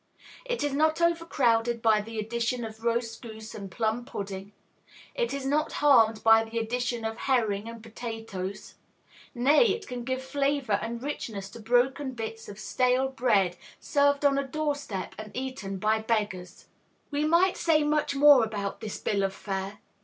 It is not overcrowded by the addition of roast goose and plum pudding; it is not harmed by the addition of herring and potatoes. Nay, it can give flavor and richness to broken bits of stale bread served on a doorstep and eaten by beggars. We might say much more about this bill of fare.